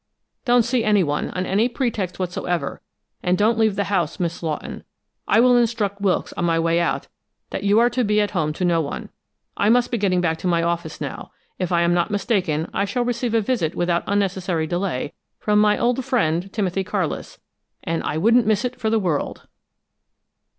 Don't see anyone, on any pretext whatsoever, and don't leave the house, Miss Lawton. I will instruct Wilkes on my way out, that you are to be at home to no one. I must be getting back to my office now. If I am not mistaken, I shall receive a visit without unnecessary delay from my old friend Timothy Carlis, and I wouldn't miss it for the world!"